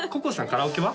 カラオケは？